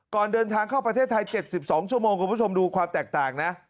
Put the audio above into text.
ก่อนเดินทางเข้าประเทศไทย๗๒ชั่วโมงคุณผู้ชมดูความแตกต่างนะ